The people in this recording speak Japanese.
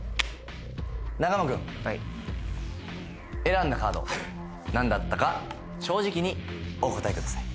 中間君はい選んだカードなんだったか正直にお答えください